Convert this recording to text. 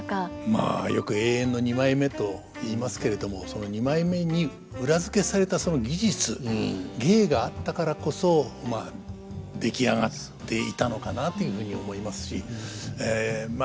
まあよく永遠の二枚目と言いますけれどもその二枚目に裏付けされたその技術芸があったからこそまあ出来上がっていたのかなというふうに思いますしま